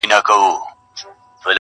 • د غوايی چي به یې ږغ وو اورېدلی -